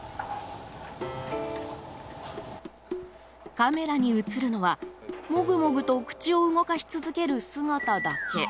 カメラに映るのは、もぐもぐと口を動かし続ける姿だけ。